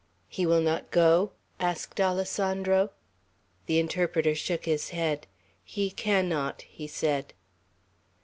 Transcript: "He will not go?" asked Alessandro. The interpreter shook his head. "He cannot," he said.